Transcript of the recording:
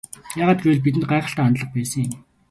Яагаад гэвэл бидэнд гайхалтай хандлага байсан юм.